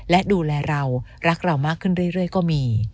และดูแลเรารักเรามากขึ้นเรื่อยก็มี